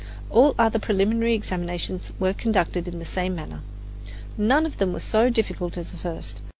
All the other preliminary examinations were conducted in the same manner. None of them was so difficult as the first.